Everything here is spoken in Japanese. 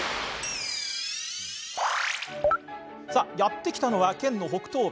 やって来たのは、県の北東部。